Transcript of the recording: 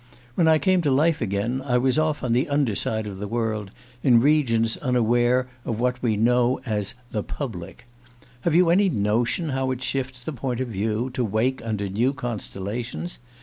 ... When I came to life again I was off on the under side of the world, in regions unaware of what we know as 'the public.' Have you any notion how it shifts the point of view to wake under new constellations?